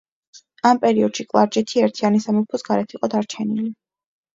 ამ პერიოდში კლარჯეთი ერთიანი სამეფოს გარეთ იყო დარჩენილი.